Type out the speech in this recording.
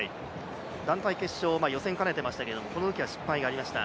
団体決勝、予選を兼ねていましたけど、このときは失敗がありました。